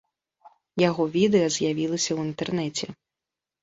Яго відэа з'явілася ў інтэрнэце.